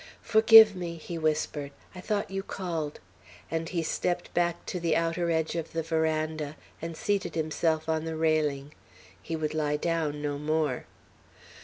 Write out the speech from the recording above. "Forgive me," he whispered, "I thought you called;" and he stepped back to the outer edge of the veranda, and seated himself on the railing. He would lie down no more.